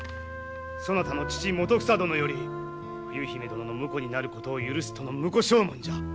そなたの父基房殿より冬姫殿の婿になることを許すとの婿証文じゃ。